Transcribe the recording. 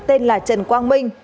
tên là trần quang minh